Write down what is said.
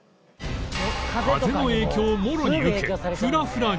風の影響をもろに受けフラフラに